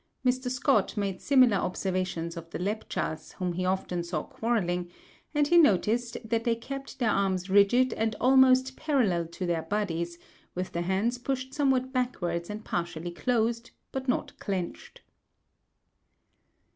Mr. Scott made similar observations on the Lepchas whom he often saw quarrelling, and he noticed that they kept their arms rigid and almost parallel to their bodies, with the hands pushed somewhat backwards and partially closed, but not clenched.